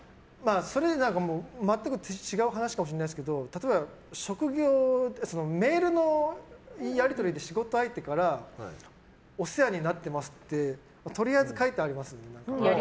全く違う話かもしれないですけど例えば、メールのやり取りで仕事相手から「お世話になっています」ってとりあえず書いてありますよね。